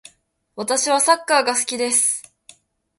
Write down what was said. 私はサッカーが好きです。